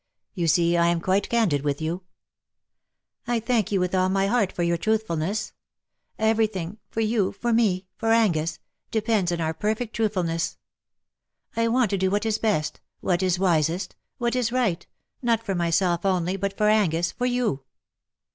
You see I am quite candid with you.^'' " I thank you with all my heart for your truth fulness. Everything — for you, for me, for Angus — depends upon our perfect truthfulness. I want to do what is best — what is wisest — what is right — not for myself only, but for Angus, for you."